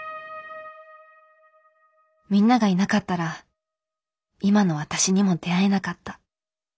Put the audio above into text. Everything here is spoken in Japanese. みんながいなかったら今の私にも出会えなかった。